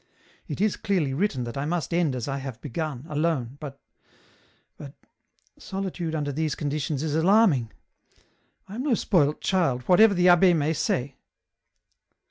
It is clearly written that I must end as I have begun, alone, but ,.. but ... solitude under these conditions is alarming. I am no spoilt child, whatever the abbd may say."